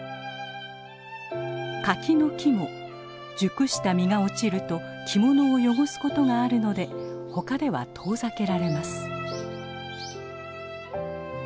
柿の木も熟した実が落ちると着物を汚すことがあるので他では遠ざけられます。